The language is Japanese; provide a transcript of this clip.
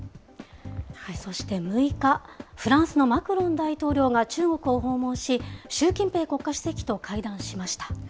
そして６日、フランスのマクロン大統領が中国を訪問し、習近平国家主席と会談しました。